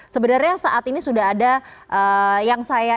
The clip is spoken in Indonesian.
sebenarnya saat ini sudah ada